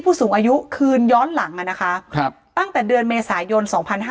ผู้สูงอายุคืนย้อนหลังอ่ะนะคะครับตั้งแต่เดือนเมษายน๒๕๕๒